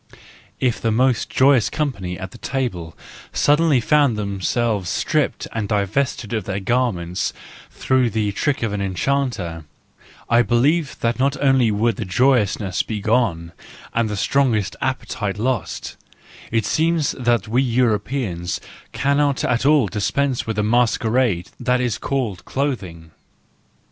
If the most joyous company at table suddenly found themselves stripped and divested of their garments through the trick of an enchanter, I believe that not only would the joyousness be gone and the strongest appetite lost;—it seems that we Europeans cannot at all dispense with the masquerade that is called clothing.